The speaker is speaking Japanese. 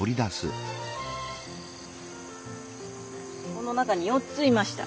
この中に４ついました。